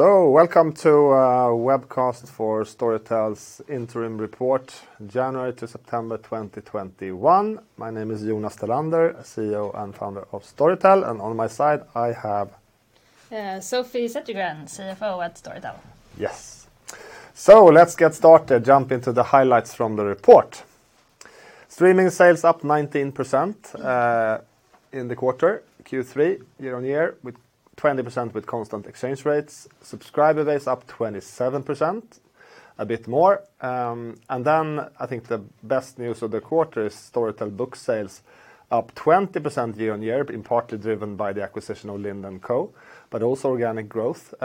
Welcome to webcast for Storytel's interim report January to September 2021. My name is Jonas Tellander, CEO and Founder of Storytel, and on my side I have- Sofie Zettergren, CFO at Storytel. Yes. Let's get started, jump into the highlights from the report. streaming sales up 19% in the quarter, Q3, year-on-year, with 20% with constant exchange rates. Subscriber base up 27%, a bit more. I think the best news of the quarter is Storytel book sales up 20% year-on-year and partly driven by the acquisition of Lind & Co, but also organic growth. The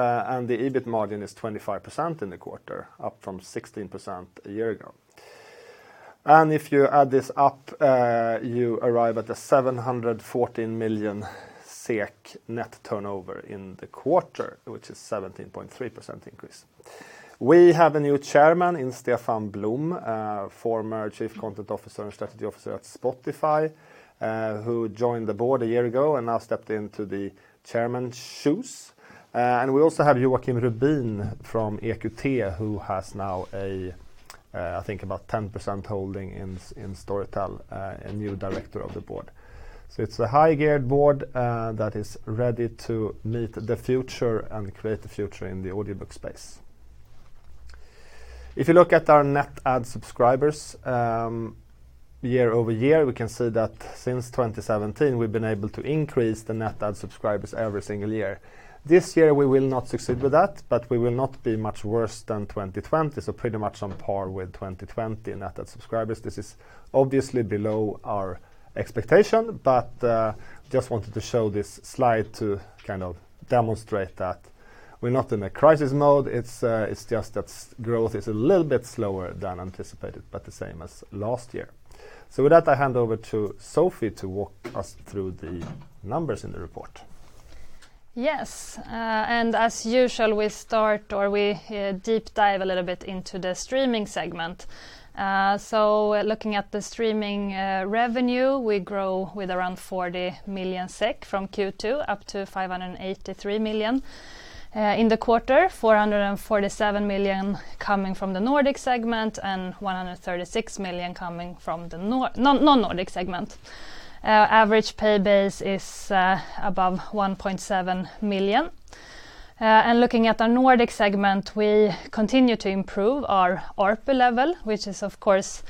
EBIT margin is 25% in the quarter, up from 16% a year ago. If you add this up, you arrive at the 714 million SEK net turnover in the quarter, which is 17.3% increase. We have a new Chairman in Stefan Blom, former Chief Content Officer and Strategy Officer at Spotify, who joined the board a year ago and now stepped into the chairman's shoes. We also have Joakim Rubin from EQT, who has now a, I think about 10% holding in Storytel, a new Director of the Board. It's a high-geared board that is ready to meet the future and create the future in the audiobook space. If you look at our net add subscribers year-over-year, we can see that since 2017, we've been able to increase the net add subscribers every single year. This year, we will not succeed with that, but we will not be much worse than 2020. Pretty much on par with 2020 net add subscribers. This is obviously below our expectation. Just wanted to show this slide to kind of demonstrate that we're not in a crisis mode. It's just that growth is a little bit slower than anticipated, but the same as last year. With that, I hand over to Sofie to walk us through the numbers in the report. Yes. As usual, we deep dive a little bit into the Streaming segment. Looking at the streaming revenue, we grow with around 40 million SEK from Q2, up to 583 million in the quarter, 447 million coming from the Nordic segment and 136 million coming from the Non-Nordic segment. Average pay base is above 1.7 million. Looking at our Nordic segment, we continue to improve our ARPU level, which is, of course,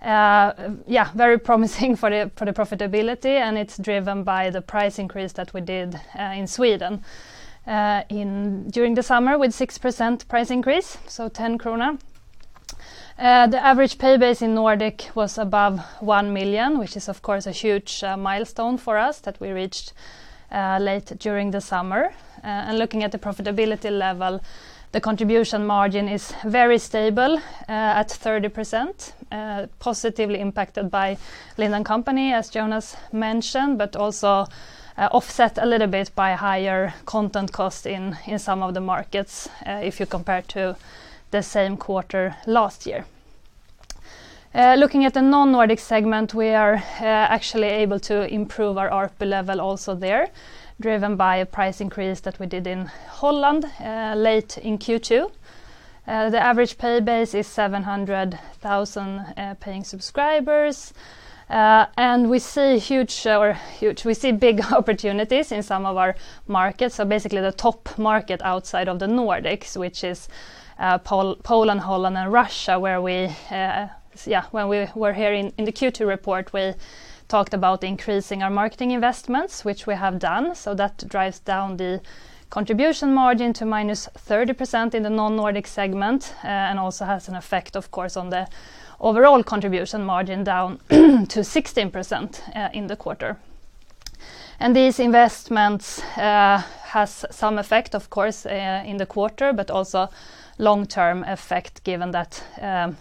very promising for the profitability, and it's driven by the price increase that we did in Sweden during the summer with 6% price increase, so 10 krona. The average paying base in Nordic was above 1 million, which is, of course, a huge milestone for us that we reached late during the summer. Looking at the profitability level, the contribution margin is very stable at 30%, positively impacted by Lind & Co, as Jonas mentioned, but also offset a little bit by higher content cost in some of the markets if you compare to the same quarter last year. Looking at the non-Nordic segment, we are actually able to improve our ARPU level also there, driven by a price increase that we did in Holland late in Q2. The average paid base is 700,000 paying subscribers. We see big opportunities in some of our markets. Basically, the top market outside of the Nordics, which is Poland, Holland, and Russia, where we, when we were here in the Q2 report, we talked about increasing our marketing investments, which we have done. That drives down the contribution margin to -30% in the Non-Nordic segment, and also has an effect, of course, on the overall contribution margin down to 16%, in the quarter. These investments has some effect, of course, in the quarter, but also long-term effect, given that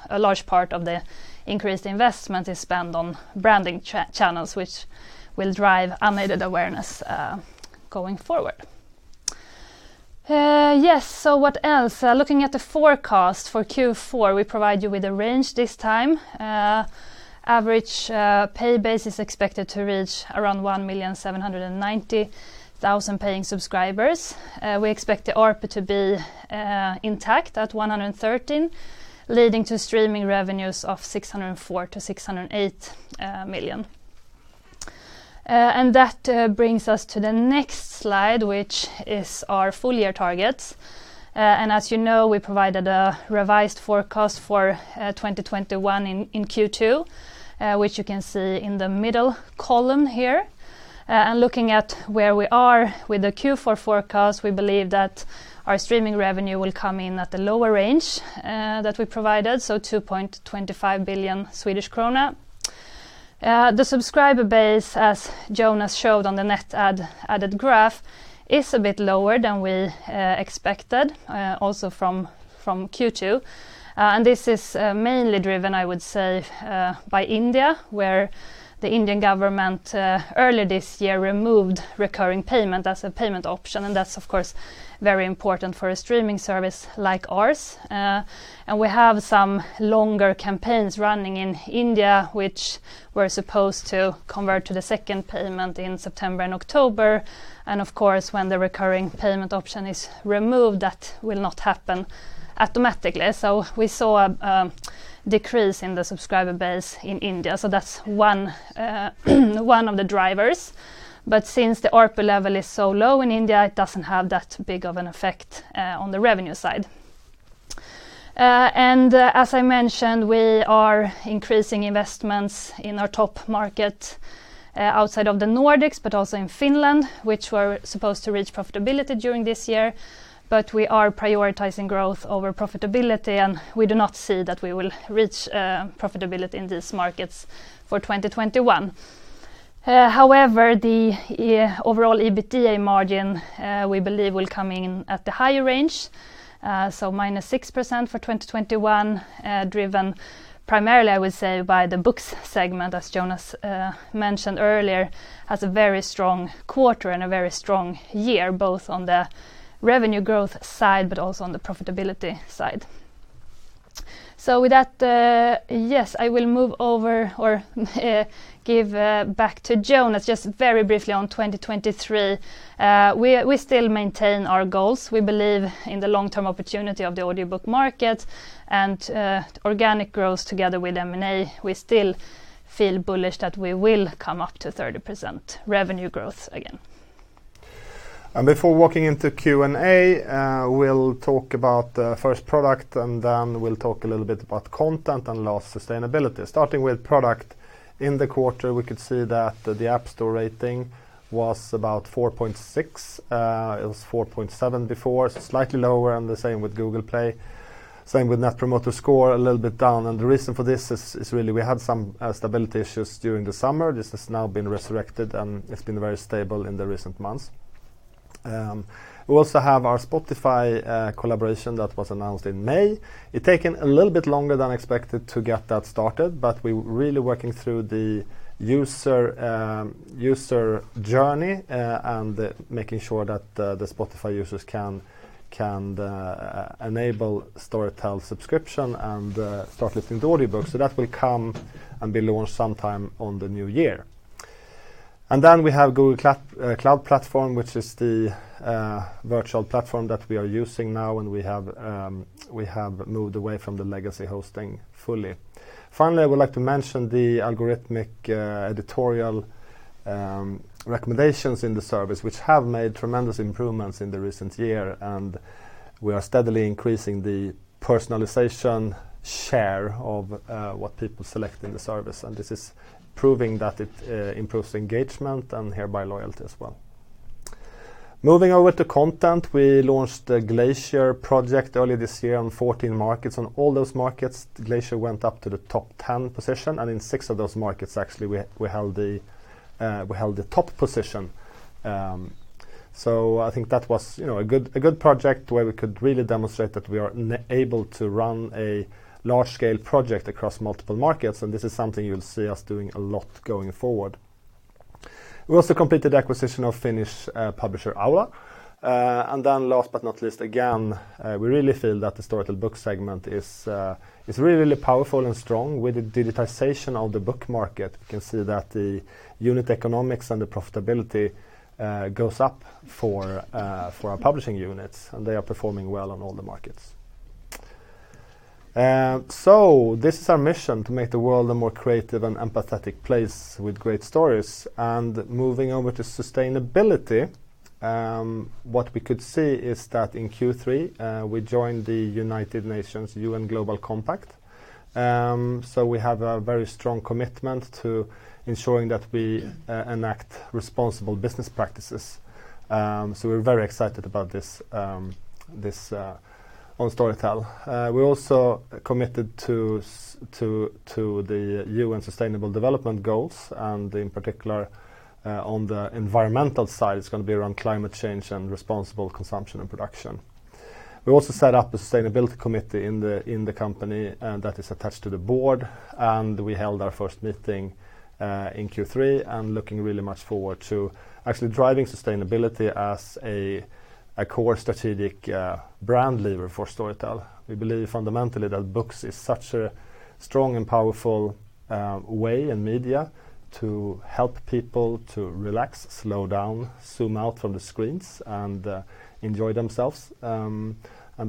a large part of the increased investment is spent on branding channels, which will drive unaided awareness, going forward. Yes. What else? Looking at the forecast for Q4, we provide you with a range this time. Average pay base is expected to reach around 1,790,000 paying subscribers. We expect the ARPU to be intact at 113, leading to streaming revenues of 604 million-608 million. That brings us to the next slide, which is our full year targets. As you know, we provided a revised forecast for 2021 in Q2, which you can see in the middle column here. Looking at where we are with the Q4 forecast, we believe that our streaming revenue will come in at the lower range that we provided, so 2.25 billion Swedish krona. The subscriber base, as Jonas showed on the net added graph, is a bit lower than we expected, also from Q2. This is mainly driven, I would say, by India, where the Indian government early this year removed recurring payment as a payment option, and that's of course very important for a streaming service like ours. We have some longer campaigns running in India which were supposed to convert to the second payment in September and October, and of course, when the recurring payment option is removed, that will not happen automatically. We saw a decrease in the subscriber base in India. That's one of the drivers. Since the ARPU level is so low in India, it doesn't have that big of an effect on the revenue side. As I mentioned, we are increasing investments in our top market outside of the Nordics, but also in Finland, which we're supposed to reach profitability during this year. We are prioritizing growth over profitability, and we do not see that we will reach profitability in these markets for 2021. However, the overall EBITDA margin we believe will come in at the higher range. -6% for 2021, driven primarily, I would say, by the Books segment, as Jonas mentioned earlier, has a very strong quarter and a very strong year, both on the revenue growth side but also on the profitability side. With that, yes, I will give back to Jonas. Just very briefly on 2023, we still maintain our goals. We believe in the long-term opportunity of the audiobook market and organic growth together with M&A. We still feel bullish that we will come up to 30% revenue growth again. Before walking into Q&A, we'll talk about first product, and then we'll talk a little bit about content and last, sustainability. Starting with product, in the quarter, we could see that the App Store rating was about 4.6. It was 4.7 before, so slightly lower, and the same with Google Play. Same with Net Promoter Score, a little bit down. The reason for this is really we had some stability issues during the summer. This has now been resurrected, and it's been very stable in the recent months. We also have our Spotify collaboration that was announced in May. It's taken a little bit longer than expected to get that started, but we're really working through the user journey and making sure that the Spotify users can enable Storytel subscription and start listening to audiobooks. That will come and be launched sometime in the new year. Then we have Google Cloud Platform, which is the virtual platform that we are using now, and we have moved away from the legacy hosting fully. Finally, I would like to mention the algorithmic editorial recommendations in the service, which have made tremendous improvements in the recent year, and we are steadily increasing the personalization share of what people select in the service. This is proving that it improves engagement and hereby loyalty as well. Moving over to content, we launched the Glacier project early this year on 14 markets. On all those markets, Glacier went up to the top 10 position, and in six of those markets, actually, we held the top position. I think that was, you know, a good project where we could really demonstrate that we are able to run a large-scale project across multiple markets, and this is something you'll see us doing a lot going forward. We also completed acquisition of Finnish publisher Aula. Last but not least, again, we really feel that the Storytel Book segment is really powerful and strong. With the digitization of the book market, you can see that the unit economics and the profitability goes up for our Publishing units, and they are performing well on all the markets. This is our mission, to make the world a more creative and empathetic place with great stories. Moving over to sustainability, what we could see is that in Q3, we joined the UN Global Compact. We have a very strong commitment to ensuring that we enact responsible business practices. We're very excited about this on Storytel. We're also committed to the UN Sustainable Development Goals, and in particular, on the environmental side, it's gonna be around climate change and responsible consumption and production. We also set up a sustainability committee in the company, and that is attached to the board, and we held our first meeting in Q3 and looking really much forward to actually driving sustainability as a core strategic brand lever for Storytel. We believe fundamentally that books is such a strong and powerful way in media to help people to relax, slow down, zoom out from the screens, and enjoy themselves.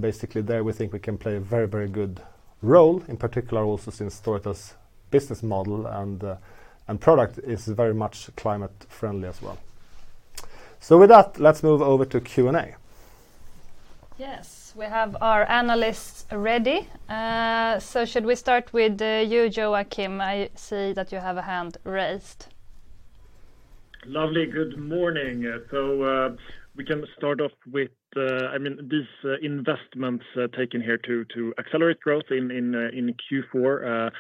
Basically there we think we can play a very, very good role, in particular also since Storytel's business model and product is very much climate friendly as well. With that, let's move over to Q&A. Yes. We have our analysts ready. Should we start with you, Joakim? I see that you have a hand raised. Lovely. Good morning. We can start off with, I mean, these investments taken here to accelerate growth in Q4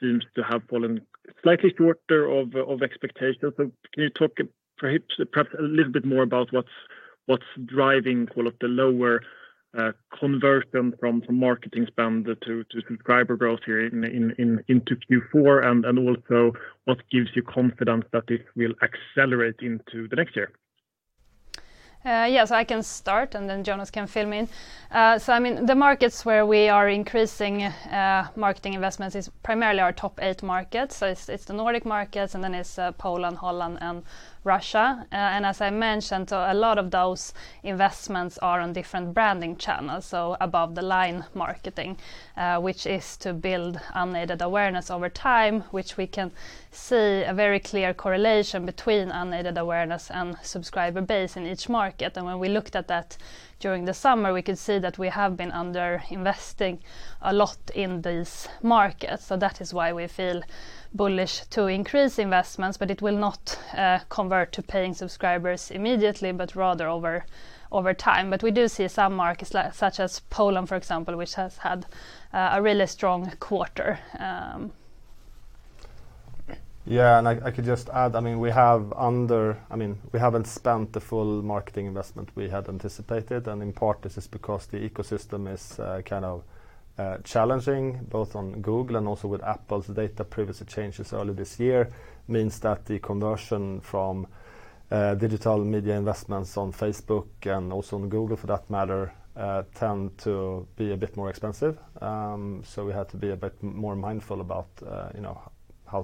seems to have fallen slightly shorter of expectations. Can you talk perhaps a little bit more about what's driving call it the lower conversion from marketing spend to subscriber growth here into Q4? Also what gives you confidence that this will accelerate into the next year? Yes, I can start, and then Jonas can fill me in. I mean, the markets where we are increasing marketing investments is primarily our top eight markets. It's the Nordic markets, and then it's Poland, Holland, and Russia. And as I mentioned, a lot of those investments are on different branding channels, above-the-line marketing, which is to build unaided awareness over time, which we can see a very clear correlation between unaided awareness and subscriber base in each market. When we looked at that during the summer, we could see that we have been underinvesting a lot in these markets. That is why we feel bullish to increase investments, but it will not convert to paying subscribers immediately, but rather over time. We do see some markets such as Poland, for example, which has had a really strong quarter. Yeah, I could just add, I mean, we haven't spent the full marketing investment we had anticipated, and in part this is because the ecosystem is kind of challenging both on Google and also with Apple's data privacy changes early this year means that the conversion from digital media investments on Facebook and also on Google for that matter tend to be a bit more expensive. So we had to be a bit more mindful about you know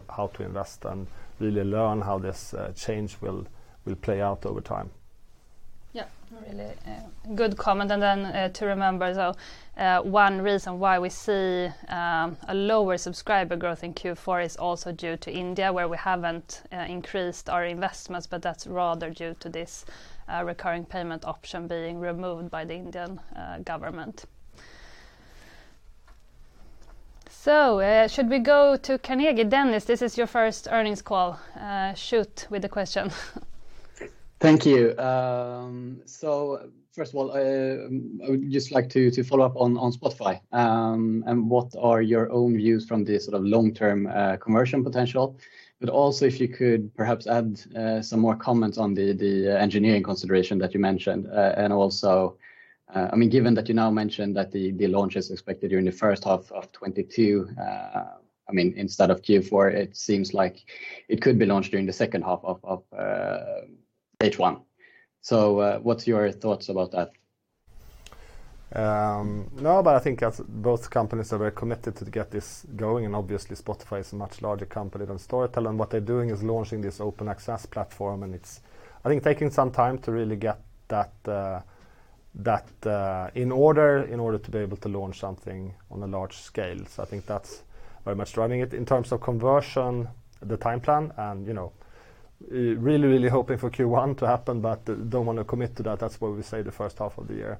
how to invest and really learn how this change will play out over time. Yeah. Really, good comment. Then to remember as well, one reason why we see a lower subscriber growth in Q4 is also due to India, where we haven't increased our investments, but that's rather due to this recurring payment option being removed by the Indian government. Should we go to Carnegie? Dennis, this is your first earnings call. Shoot with the question. Thank you. First of all, I would just like to follow up on Spotify, and what are your own views from this sort of long-term conversion potential? Also if you could perhaps add some more comments on the engineering consideration that you mentioned. Also, I mean, given that you now mentioned that the launch is expected during the first half of 2022, I mean, instead of Q4, it seems like it could be launched during the second half of H1. What's your thoughts about that? No, I think as both companies are very committed to get this going, and obviously Spotify is a much larger company than Storytel, and what they're doing is launching this open access platform and it's, I think, taking some time to really get that in order, in order to be able to launch something on a large scale. I think that's very much driving it. In terms of conversion, the time plan and you know really hoping for Q1 to happen, but don't want to commit to that. That's why we say the first half of the year.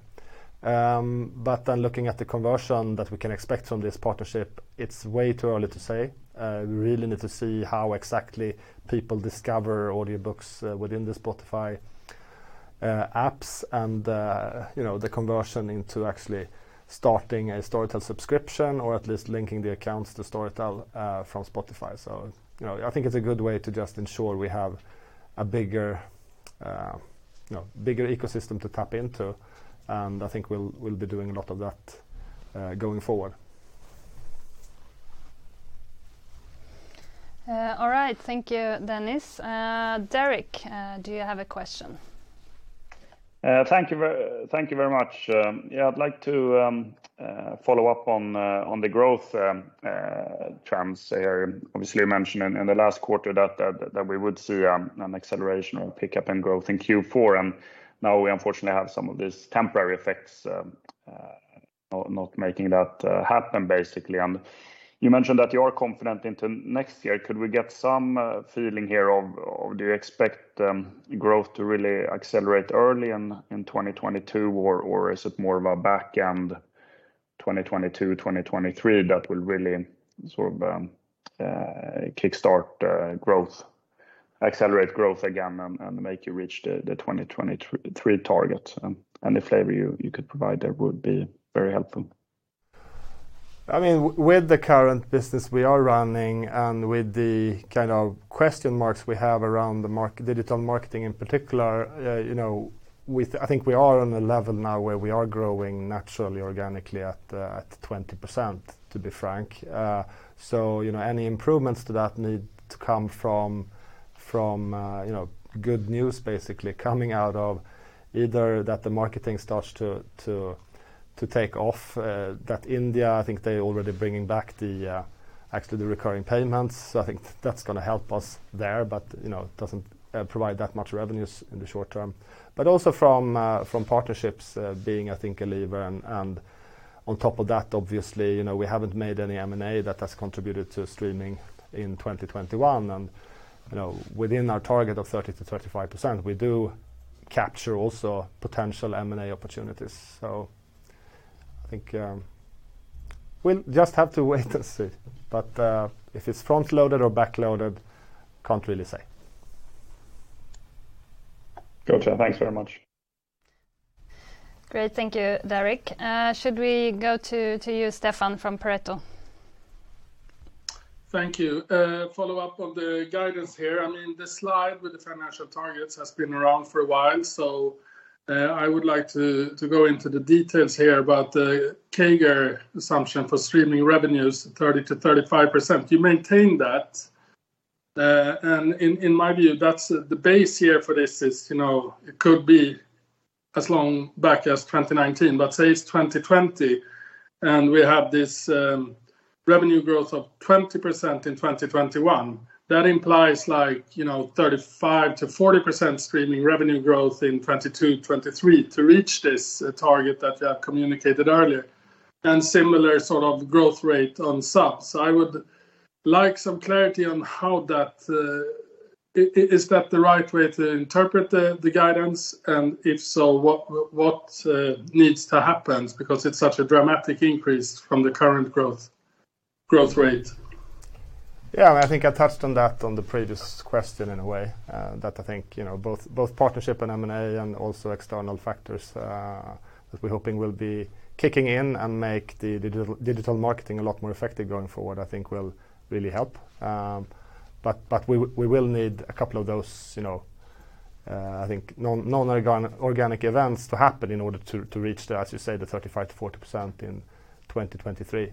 Then looking at the conversion that we can expect from this partnership, it's way too early to say. We really need to see how exactly people discover audiobooks within the Spotify apps and, you know, the conversion into actually starting a Storytel subscription or at least linking the accounts to Storytel from Spotify. You know, I think it's a good way to just ensure we have a bigger ecosystem to tap into, and I think we'll be doing a lot of that going forward. All right. Thank you, Dennis. Derek, do you have a question? Thank you very much. Yeah, I'd like to follow up on the growth terms there. Obviously you mentioned in the last quarter that we would see an acceleration or pickup in growth in Q4, and now we unfortunately have some of these temporary effects not making that happen basically. You mentioned that you are confident into next year. Could we get some feeling here of do you expect growth to really accelerate early in 2022 or is it more of a back end 2022/2023 that will really sort of kickstart growth, accelerate growth again and make you reach the 2023 target? Any flavor you could provide there would be very helpful. I mean, with the current business we are running and with the kind of question marks we have around the digital marketing in particular, you know, I think we are on a level now where we are growing naturally organically at 20%, to be frank. You know, any improvements to that need to come from good news basically coming out of either that the marketing starts to take off, that India, I think they're already bringing back the actually the recurring payments. I think that's gonna help us there. You know, it doesn't provide that much revenues in the short term. Also from partnerships, being I think a lever and on top of that, obviously, you know, we haven't made any M&A that has contributed to Streaming in 2021 and, you know, within our target of 30%-35%, we do capture also potential M&A opportunities. I think we'll just have to wait and see. If it's front loaded or back loaded, can't really say. Gotcha. Thanks very much. Great. Thank you, Derek. Should we go to you, Stefan, from Pareto? Thank you. Follow up on the guidance here. I mean, the slide with the financial targets has been around for a while, so I would like to go into the details here about the CAGR assumption for streaming revenues, 30%-35%. Do you maintain that? In my view, that's the base here for this is, you know, it could be as long back as 2019, but say it's 2020 and we have this revenue growth of 20% in 2021. That implies like, you know, 35%-40% streaming revenue growth in 2022, 2023 to reach this target that you have communicated earlier and similar sort of growth rate on subs. I would like some clarity on how that is that the right way to interpret the guidance? If so, what needs to happen? It's such a dramatic increase from the current growth rate. Yeah, I think I touched on that on the previous question in a way, that I think, you know, both partnership and M&A and also external factors, that we're hoping will be kicking in and make the digital marketing a lot more effective going forward, I think will really help. But we will need a couple of those, you know. I think non-organic events to happen in order to reach, as you say, the 35%-40% in 2023.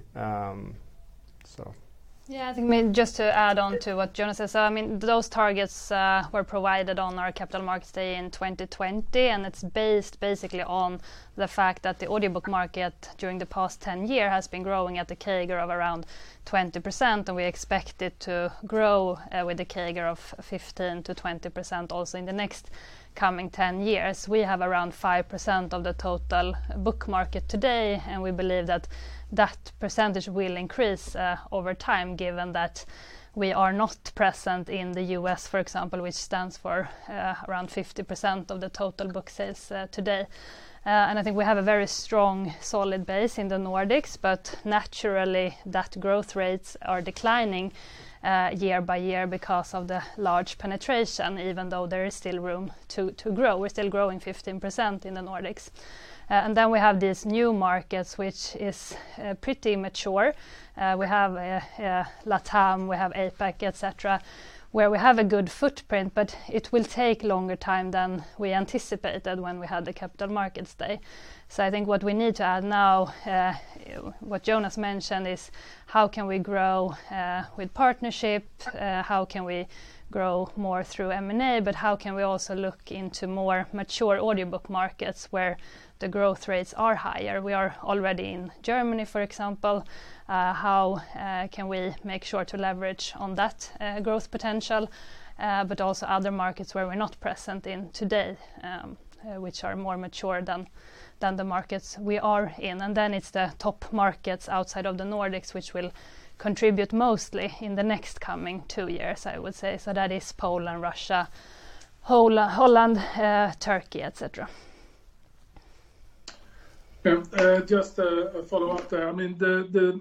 Yeah, I think maybe just to add on to what Jonas says. I mean, those targets were provided on our Capital Markets Day in 2020, and it's based basically on the fact that the audiobook market during the past 10 years has been growing at a CAGR of around 20%, and we expect it to grow with a CAGR of 15%-20% also in the next coming 10 years. We have around 5% of the total book market today, and we believe that that percentage will increase over time, given that we are not present in the U.S., for example, which stands for around 50% of the total book sales today. I think we have a very strong, solid base in the Nordics, but naturally, that growth rates are declining year by year because of the large penetration, even though there is still room to grow. We're still growing 15% in the Nordics. Then we have these new markets, which is pretty immature. We have LatAm, we have APAC, et cetera, where we have a good footprint, but it will take longer time than we anticipated when we had the Capital Markets Day. I think what we need to add now, what Jonas mentioned is how can we grow with partnership. How can we grow more through M&A. How can we also look into more mature audiobook markets where the growth rates are higher. We are already in Germany, for example. How can we make sure to leverage on that growth potential, but also other markets where we're not present in today, which are more mature than the markets we are in. Then it's the top markets outside of the Nordics, which will contribute mostly in the next coming two years, I would say. That is Poland, Russia, Holland, Turkey, et cetera. Yeah, just a follow-up there. I mean, the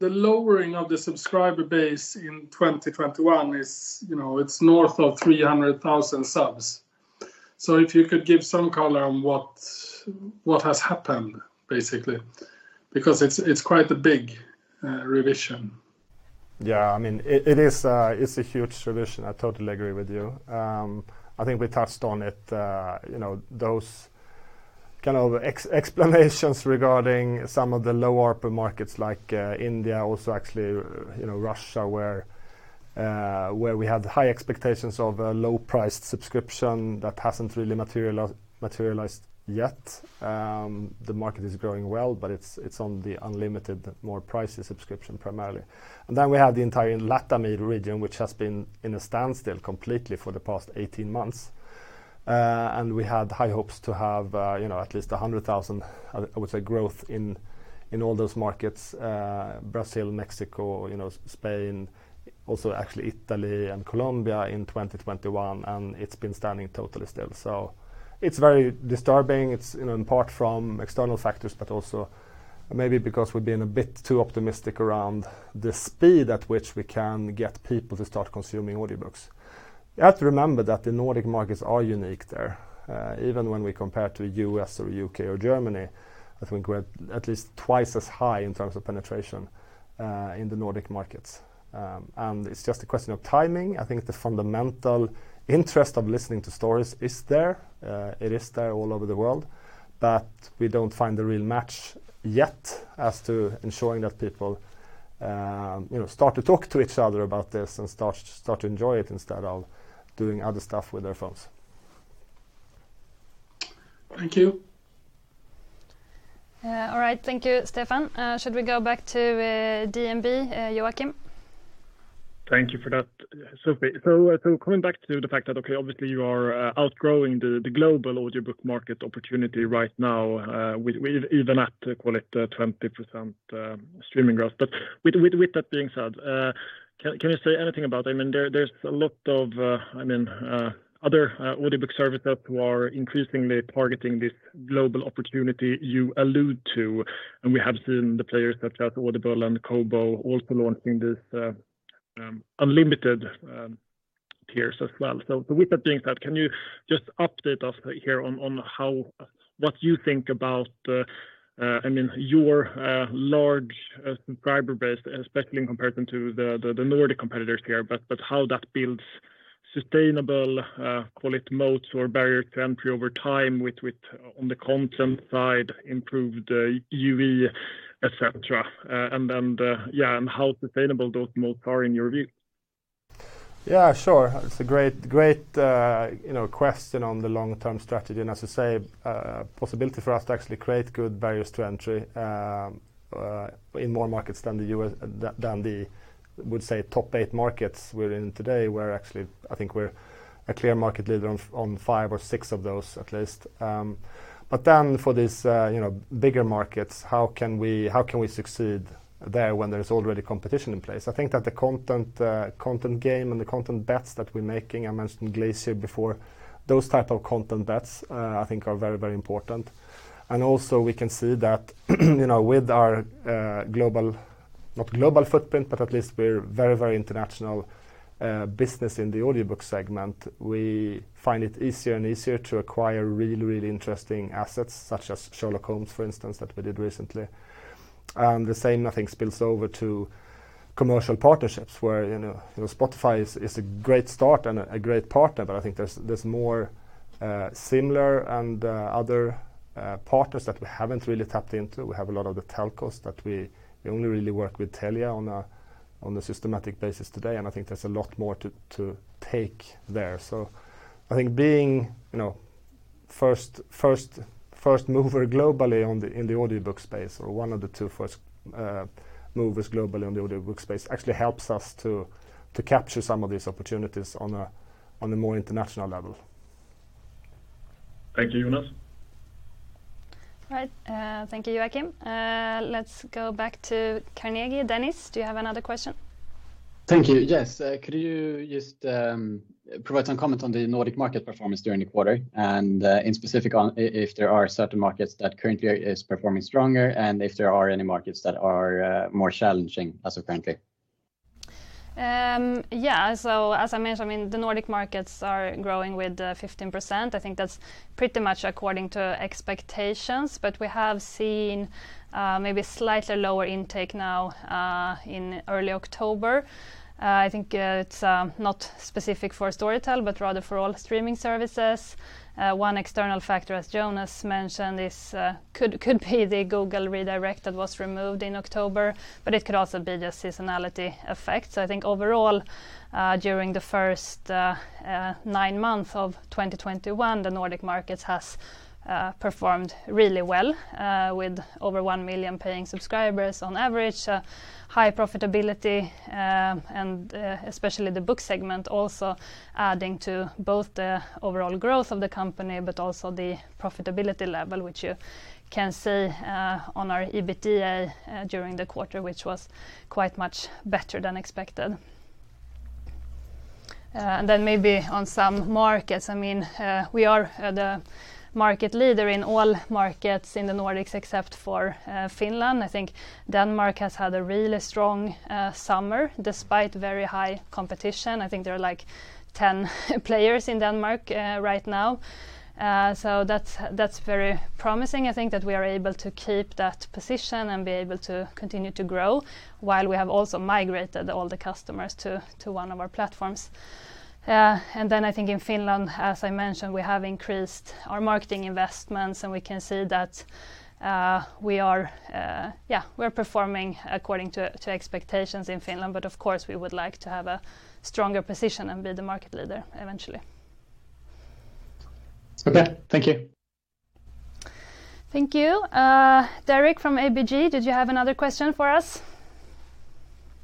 lowering of the subscriber base in 2021 is, you know, it's north of 300,000 subs. If you could give some color on what has happened, basically, because it's quite a big revision. Yeah, I mean, it is. It's a huge revision. I totally agree with you. I think we touched on it, you know, those kind of explanations regarding some of the low ARPU markets like India, also actually, you know, Russia, where we had high expectations of a low-priced subscription that hasn't really materialized yet. The market is growing well, but it's on the unlimited, more pricey subscription primarily. We have the entire LatAm region, which has been in a standstill completely for the past 18 months. We had high hopes to have, you know, at least 100,000, I would say, growth in all those markets, Brazil, Mexico, you know, Spain, also actually Italy and Colombia in 2021, and it's been standing totally still. It's very disturbing. It's, you know, in part from external factors, but also maybe because we've been a bit too optimistic around the speed at which we can get people to start consuming audiobooks. You have to remember that the Nordic markets are unique there. Even when we compare to U.S. or U.K. or Germany, I think we're at least twice as high in terms of penetration in the Nordic markets. It's just a question of timing. I think the fundamental interest of listening to stories is there. It is there all over the world, but we don't find the real match yet as to ensuring that people, you know, start to talk to each other about this and start to enjoy it instead of doing other stuff with their phones. Thank you. All right. Thank you, Stefan. Should we go back to DNB, Joakim? Thank you for that, Sofie. Coming back to the fact that, okay, obviously, you are outgrowing the global audiobook market opportunity right now, with even at, call it, 20% streaming growth. With that being said, can you say anything about, I mean, there's a lot of, I mean, other audiobook services who are increasingly targeting this global opportunity you allude to, and we have seen the players such as Audible and Kobo also launching this unlimited tiers as well. With that being said, can you just update us here on what you think about, I mean, your large subscriber base, especially in comparison to the Nordic competitors here, but how that builds sustainable, call it moats or barrier to entry over time with on the content side, improved UE, et cetera, and then, yeah, and how sustainable those moats are in your view? Yeah, sure. It's a great, you know, question on the long-term strategy. As I say, possibility for us to actually create good barriers to entry in more markets than the U.S., than the top eight markets we're in today, where actually I think we're a clear market leader on five or six of those at least. For this, you know, bigger markets, how can we succeed there when there's already competition in place? I think that the content game and the content bets that we're making. I mentioned Glacier before. Those type of content bets, I think are very important. Also, we can see that, you know, with our global, not global footprint, but at least we're very international business in the audiobook segment, we find it easier and easier to acquire really interesting assets such as Sherlock Holmes, for instance, that we did recently. The same, I think, spills over to commercial partnerships where, you know, Spotify is a great start and a great partner, but I think there's more similar and other partners that we haven't really tapped into. We have a lot of the telcos that we only really work with Telia on a systematic basis today, and I think there's a lot more to take there. I think being, you know, first mover globally in the audiobook space or one of the two first movers globally on the audiobook space actually helps us to capture some of these opportunities on a more international level. Thank you, Jonas. All right. Thank you, Joakim. Let's go back to Carnegie. Dennis, do you have another question? Thank you. Yes. Could you just provide some comment on the Nordic market performance during the quarter and in specific on if there are certain markets that currently are performing stronger and if there are any markets that are more challenging as of currently? Yeah. As I mentioned, I mean, the Nordic markets are growing with 15%. I think that's pretty much according to expectations, but we have seen maybe slightly lower intake now in early October. I think it's not specific for Storytel, but rather for all streaming services. One external factor, as Jonas mentioned, could be the Google redirect that was removed in October, but it could also be just seasonality effects. I think overall, during the first nine months of 2021, the Nordic markets has performed really well, with over 1 million paying subscribers on average, high profitability, and especially the Book segment also adding to both the overall growth of the company, but also the profitability level, which you can see on our EBITDA during the quarter, which was quite much better than expected. Maybe on some markets, I mean, we are the market leader in all markets in the Nordics except for Finland. I think Denmark has had a really strong summer despite very high competition. I think there are, like, 10 players in Denmark right now. That's very promising, I think, that we are able to keep that position and be able to continue to grow while we have also migrated all the customers to one of our platforms. I think in Finland, as I mentioned, we have increased our marketing investments, and we can see that we're performing according to expectations in Finland, but of course we would like to have a stronger position and be the market leader eventually. Okay. Thank you. Thank you. Derek from ABG, did you have another question for us?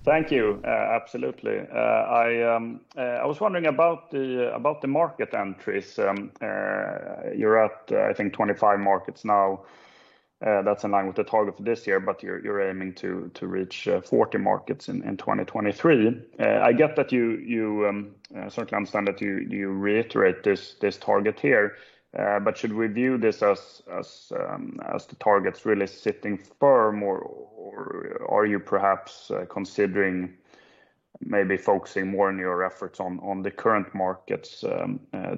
Thank you. Absolutely. I was wondering about the market entries. You're at, I think, 25 markets now. That's in line with the target for this year, but you're aiming to reach 40 markets in 2023. I get that you certainly understand that you reiterate this target here, but should we view this as the target's really sitting firm or are you perhaps considering maybe focusing more on your efforts on the current markets,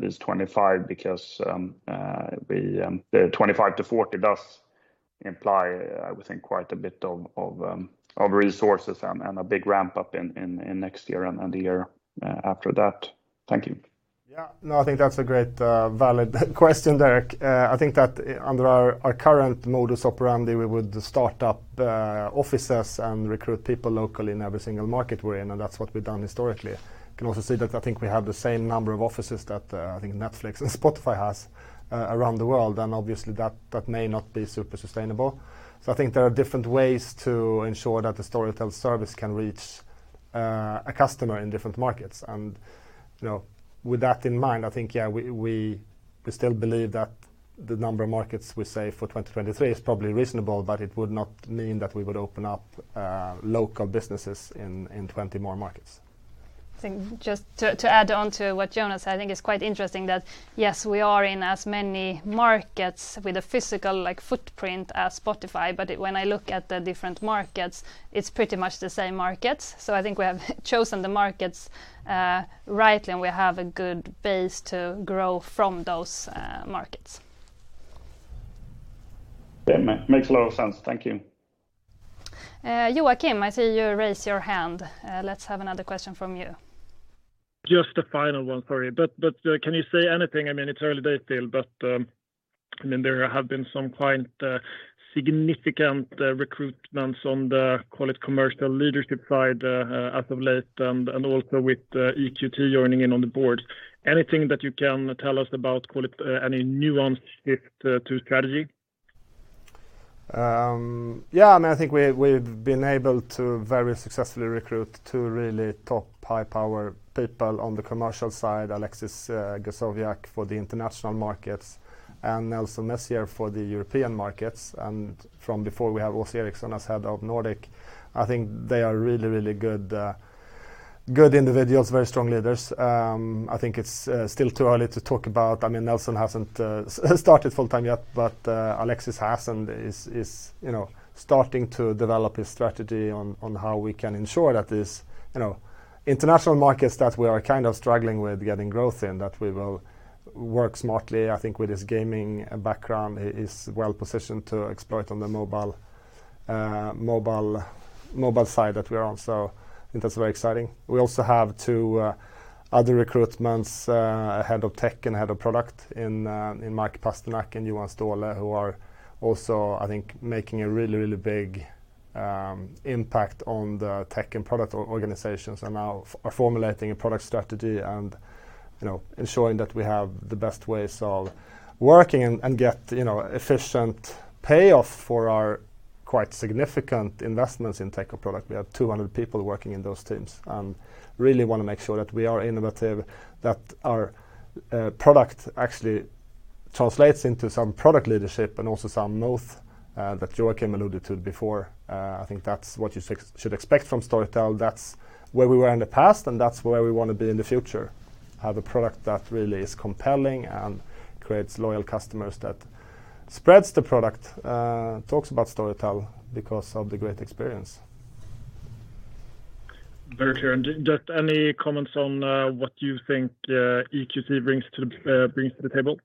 this 25 because the 25 to 40 does imply, I would think, quite a bit of resources and a big ramp-up in next year and the year after that? Thank you. Yeah. No, I think that's a great valid question, Derek. I think that under our current modus operandi, we would start up offices and recruit people locally in every single market we're in, and that's what we've done historically. You can also see that I think we have the same number of offices that I think Netflix and Spotify has around the world, and obviously that may not be super sustainable. I think there are different ways to ensure that the Storytel service can reach a customer in different markets. You know, with that in mind, I think, yeah, we still believe that the number of markets we say for 2023 is probably reasonable, but it would not mean that we would open up local businesses in 20 more markets. I think just to add on to what Jonas said, I think it's quite interesting that, yes, we are in as many markets with a physical, like, footprint as Spotify, but when I look at the different markets, it's pretty much the same markets. I think we have chosen the markets rightly, and we have a good base to grow from those markets. Yeah. Makes a lot of sense. Thank you. Joakim, I see you raise your hand. Let's have another question from you. Just a final one, sorry. Can you say anything? I mean, it's early days still, but I mean, there have been some quite significant recruitments on the, call it, commercial leadership side, as of late and also with EQT joining in on the board. Anything that you can tell us about, call it, any nuanced shift to strategy? Yeah. I mean, I think we've been able to very successfully recruit two really top high-power people on the commercial side, Alexis Gresoviac for the international markets and Nelson Missier for the European markets. From before we have Åse Ericson as Head of Nordic. I think they are really good individuals, very strong leaders. I think it's still too early to talk about. I mean, Nelson hasn't started full-time yet, but Alexis has and is, you know, starting to develop his strategy on how we can ensure that this, you know, international markets that we are kind of struggling with getting growth in, that we will work smartly. I think with his gaming background he is well positioned to exploit on the mobile side that we're on. I think that's very exciting. We also have two other recruitments, Head of Tech and Head of Product in Mark Pasternak and Johan Ståhle who are also, I think, making a really big impact on the tech and product organizations and now are formulating a product strategy and, you know, ensuring that we have the best ways of working and get, you know, efficient payoff for our quite significant investments in tech and product. We have 200 people working in those teams. Really wanna make sure that we are innovative, that our product actually translates into some product leadership and also some moat that Joakim alluded to before. I think that's what you should expect from Storytel. That's where we were in the past, and that's where we wanna be in the future. Have a product that really is compelling and creates loyal customers that spreads the product, talks about Storytel because of the great experience. Very clear. Just any comments on what you think EQT brings to the table?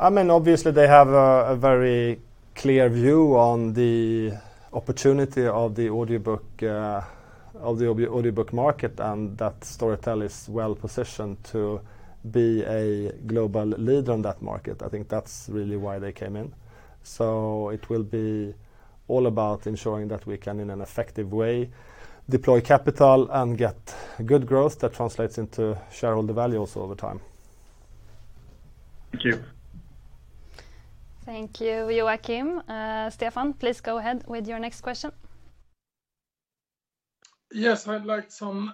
I mean, obviously, they have a very clear view on the opportunity of the audiobook market, and that Storytel is well-positioned to be a global leader in that market. I think that's really why they came in. It will be all about ensuring that we can, in an effective way, deploy capital and get good growth that translates into shareholder value also over time. Thank you. Thank you, Joakim. Stefan, please go ahead with your next question. Yes. I'd like some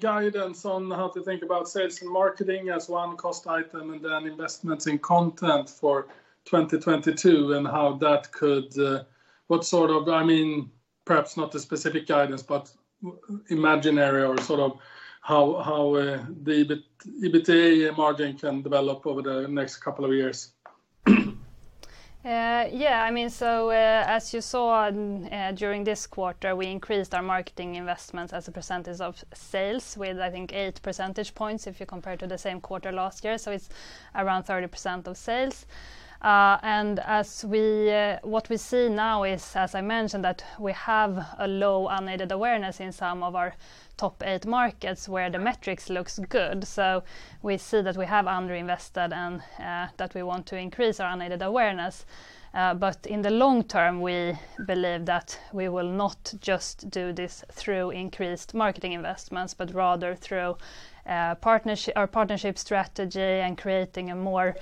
guidance on how to think about sales and marketing as one cost item and then investments in content for 2022 and how that could. I mean, perhaps not a specific guidance, but imaginary or sort of how the EBITDA margin can develop over the next couple of years. Yeah, I mean, as you saw, during this quarter, we increased our marketing investments as a percentage of sales with, I think, 8 percentage points if you compare to the same quarter last year. It's around 30% of sales. What we see now is, as I mentioned, that we have a low unaided awareness in some of our top eight markets where the metrics looks good. We see that we have underinvested and that we want to increase our unaided awareness. In the long term, we believe that we will not just do this through increased marketing investments, but rather through our partnership strategy and creating a more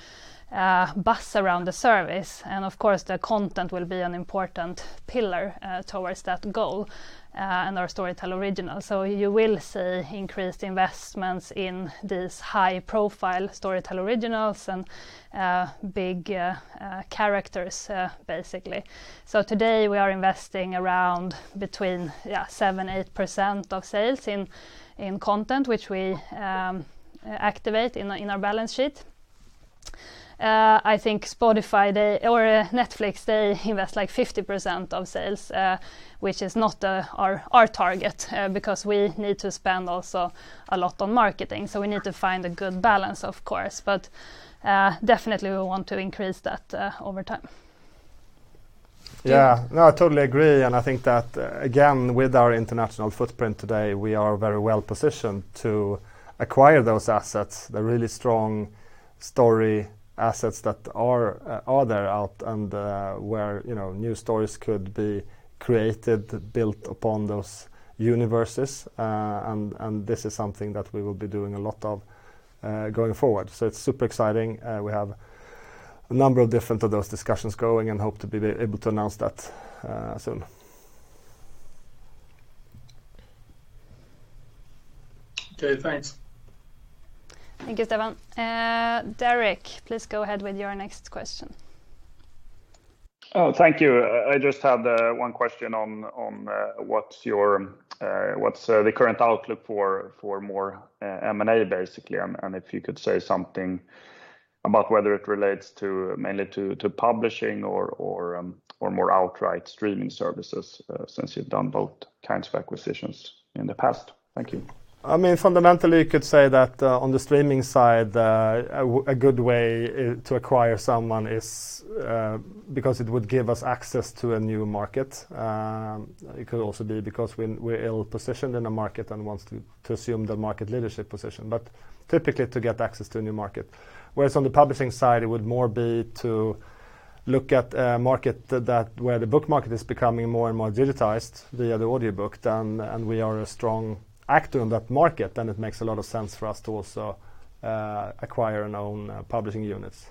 buzz around the service. Of course, the content will be an important pillar towards that goal and our Storytel Original. You will see increased investments in these high-profile Storytel Originals and big characters, basically. Today, we are investing around between 7%-8% of sales in content, which we activate in our balance sheet. I think Spotify or Netflix, they invest like 50% of sales, which is not our target, because we need to spend also a lot on marketing. We need to find a good balance of course. Definitely we want to increase that over time. Yeah. No, I totally agree. I think that, again, with our international footprint today, we are very well-positioned to acquire those assets, the really strong story assets that are out there, and where, you know, new stories could be created, built upon those universes. This is something that we will be doing a lot of going forward. It's super exciting. We have a number of different of those discussions going and hope to be able to announce that soon. Okay. Thanks. Thank you, Stefan. Derek, please go ahead with your next question. Oh, thank you. I just had one question on what's the current outlook for more M&A basically. If you could say something about whether it relates mainly to Publishing or more outright Streaming services, since you've done both kinds of acquisitions in the past. Thank you. I mean, fundamentally, you could say that, on the Streaming side, a good way to acquire someone is because it would give us access to a new market. It could also be because we're ill-positioned in a market and wants to assume the market leadership position. Typically, to get access to a new market. Whereas on the Publishing side, it would more be to look at a market that, where the book market is becoming more and more digitized via the audiobook and we are a strong actor in that market, then it makes a lot of sense for us to also acquire and own publishing units.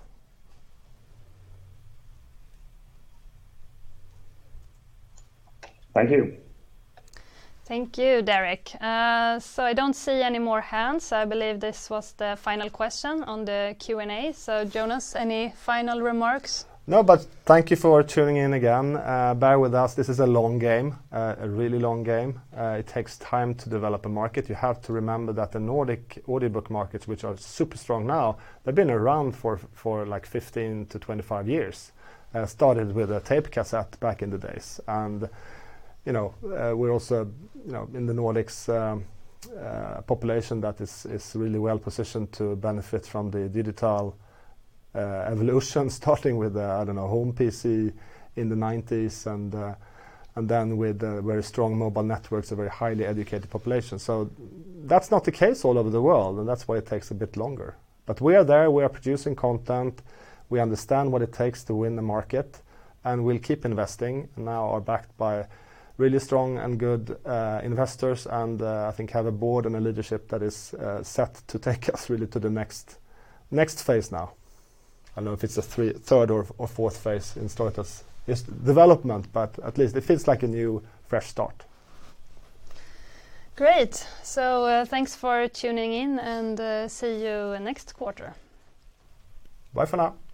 Thank you. Thank you, Derek. I don't see any more hands. I believe this was the final question on the Q&A. Jonas, any final remarks? No, but thank you for tuning in again. Bear with us. This is a long game, a really long game. It takes time to develop a market. You have to remember that the Nordic audiobook markets, which are super strong now, they've been around for like 15-25 years. Started with a tape cassette back in the days. You know, we're also, you know, in the Nordics, a population that is really well-positioned to benefit from the digital evolution, starting with, I don't know, home PC in the 1990s and then with very strong mobile networks, a very highly educated population. That's not the case all over the world, and that's why it takes a bit longer. We are there, we are producing content, we understand what it takes to win the market, and we'll keep investing. Now we're backed by really strong and good investors, and I think we have a board and a leadership that is set to take us really to the next phase now. I don't know if it's a third or fourth phase in Storytel's historical development, but at least it feels like a new, fresh start. Great. Thanks for tuning in see you next quarter. Bye for now. Bye.